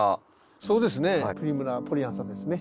そうですね。